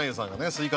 スイカ